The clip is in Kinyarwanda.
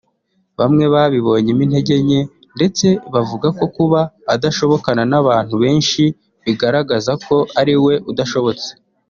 bamwe babibonyemo intege nke ndetse bavuga ko kuba adashobokana n’abantu benshi bigaragaza ko ari we udashobotse